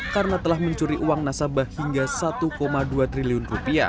karena telah mencuri uang nasabah hingga satu dua triliun rupiah